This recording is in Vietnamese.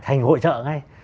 thành hội trợ ngay